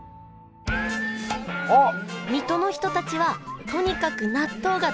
水戸の人たちはとにかく納豆が大好き！